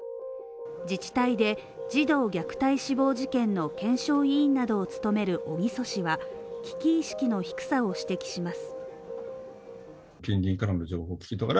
自治体で児童虐待死亡事件の検証委員などを務める小木曽氏は危機意識の低さを指摘します。